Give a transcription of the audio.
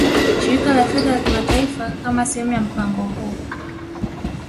Shirika la Fedha la Kimataifa Kama sehemu ya mpango huu